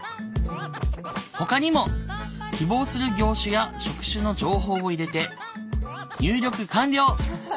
ほかにも希望する業種や職種の情報を入れて入力完了！